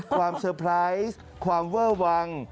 ความเซอร์ไพรส์ความเว่อวัง